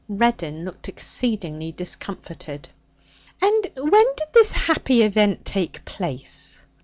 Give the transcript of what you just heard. Reddin looked exceedingly discomfited. 'And when did this happy event take place?'